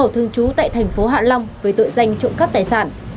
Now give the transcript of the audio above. trung trú tại thành phố hạ long với tội danh trộm cắp tài sản